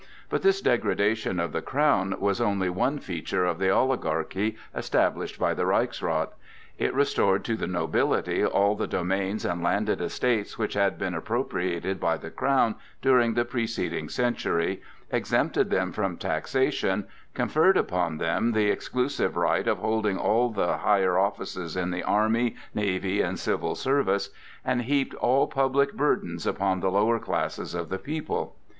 But this degradation of the crown was only one feature of the oligarchy established by the Reichsrath. It restored to the nobility all the domains and landed estates which had been appropriated by the crown during the preceding century, exempted them from taxation, conferred upon them the exclusive right of holding all the higher offices in the army, navy and civil service, and heaped all public burdens upon the lower classes of the people.